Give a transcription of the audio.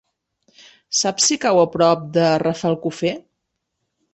Saps si cau a prop de Rafelcofer?